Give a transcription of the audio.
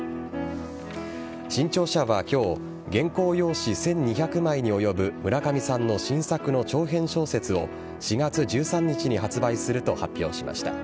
新潮社は今日原稿用紙１２００枚に及ぶ村上さんの新作の長編小説を４月１３日に発売すると発表しました。